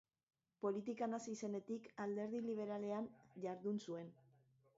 Politikan hasi zenetik Alderdi Liberalean jardun zuen.